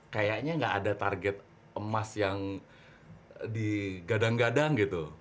kayaknya nggak ada target emas yang digadang gadang